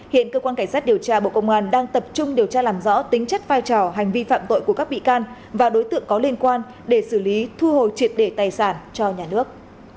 hiện cơ quan cảnh sát điều tra bộ công an đang tập trung điều tra làm rõ tính chất vai trò hành vi phạm tội của các bị can và đối tượng có liên quan để xử lý thu hồi triệt để tài sản cho nhà nước